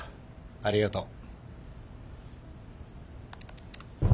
ありがとう。